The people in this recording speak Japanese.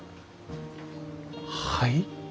はい？